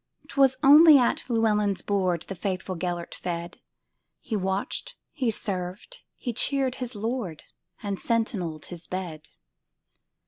'T was only at Llewelyn's boardThe faithful Gêlert fed; He watched, he served, he cheered his lord, And sentineled his bed.